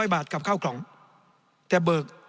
บาทกับข้าวกล่องแต่เบิก